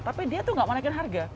tapi dia tuh gak mau naikin harga